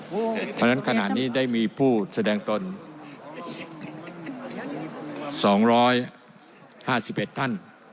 เพราะฉะนั้นขณะนี้ได้มีผู้แสดงตน๒๕๑ท่าน